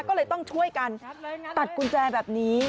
ก็เลยต้องช่วยกันตัดกุญแจแบบนี้